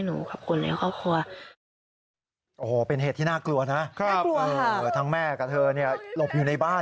น่ากลัวหรอกค่ะโอ้โฮทั้งแม่กับเธอนี่หลบอยู่ในบ้าน